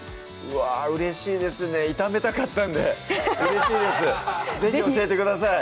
うわぁうれしいですね炒めたかったんでうれしいです是非教えてください